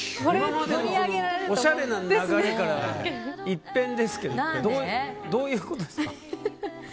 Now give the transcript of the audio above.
今までのおしゃれな流れから一変ですけどどういうことですか？